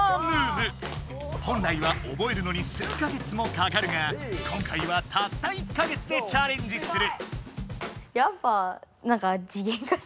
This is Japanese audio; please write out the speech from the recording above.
本来はおぼえるのに数か月もかかるが今回はたった１か月でチャレンジする！